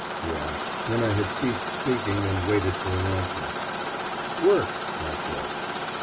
he asked, when I had ceased speaking and waited for an answer. "Work," I said.